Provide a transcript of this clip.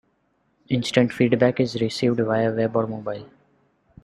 Instant feedback is received via Web or mobile.